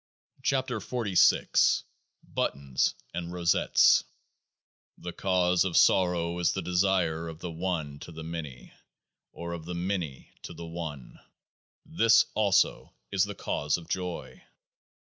59 KEOAAH MF BUTTONS AND ROSETTES The cause of sorrow is the desire of the One to the Many, or of the Many to the One. This also is the cause of joy.